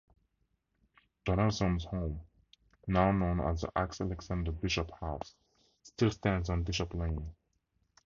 Donelson's home, now known as the Alexander Bishop House, still stands on Bishop Lane.